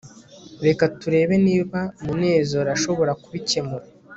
reka turebe niba munezero ashobora kubikemura